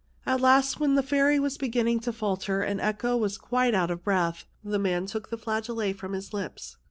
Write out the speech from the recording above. At last, when the fairy was beginning to falter and echo was quite out of breath, the man took the flageolet from his lips.